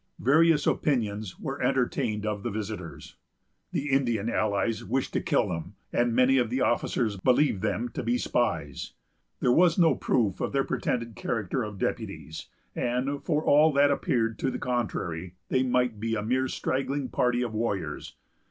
Various opinions were entertained of the visitors. The Indian allies wished to kill them, and many of the officers believed them to be spies. There was no proof of their pretended character of deputies; and, for all that appeared to the contrary, they might be a mere straggling party of warriors.